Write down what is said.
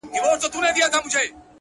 سونډان مي سوى وكړي;